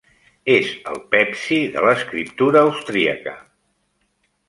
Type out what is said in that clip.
És el Pepsi de l'escriptura austríaca.